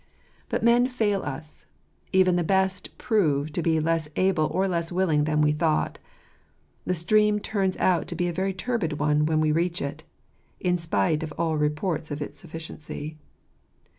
But men fail/ \ I \ 68 %\jz j^tejrs nf t&c flftroite. us ; even the best prove to be less able or less willing than we thought : the stream turns out to be a very turbid one when we reach it, in spite of all reports of its sufficiency.